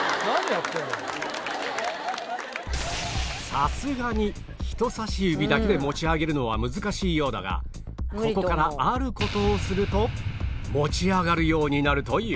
さすがに人差し指だけで持ち上げるのは難しいようだがここからある事をすると持ち上がるようになるという